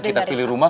kita pilih rumah